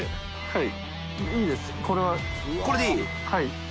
はい。